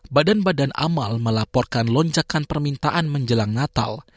badan badan amal melaporkan loncakan permintaan menjelang natal